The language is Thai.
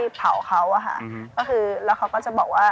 ชื่องนี้ชื่องนี้ชื่องนี้ชื่องนี้ชื่องนี้